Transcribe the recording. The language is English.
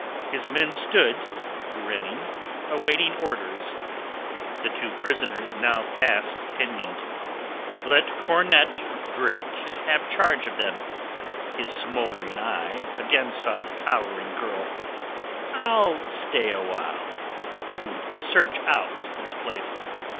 His men stood, grinning, awaiting orders, the two prisoners now fast pinioned. "Take them away. Let Cornet Drake have charge of them." His smouldering eye again sought the cowering girl. "I'll stay awhile to search out this place.